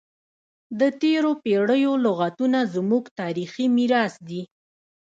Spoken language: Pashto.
د تیرو پیړیو لغتونه زموږ تاریخي میراث دی.